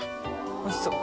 おいしそう。